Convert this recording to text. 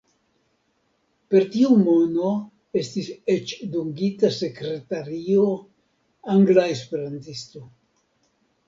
Per tiu mono estis eĉ dungita sekretario, angla esperantisto.